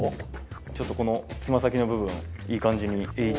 ちょっとこの爪先の部分いい感じに。